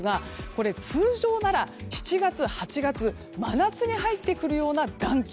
これ、通常なら７月、８月真夏に入ってくるような暖気